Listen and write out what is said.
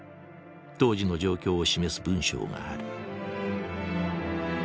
当時の状況を示す文章がある。